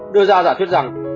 đưa ra giả thuyết rằng